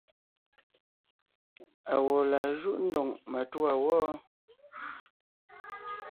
Awɔ̌ laa júʼ ndóŋ matûa wɔ́?